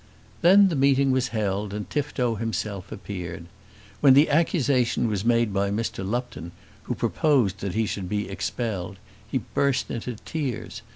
Then the meeting was held, and Tifto himself appeared. When the accusation was made by Mr. Lupton, who proposed that he should be expelled, he burst into tears.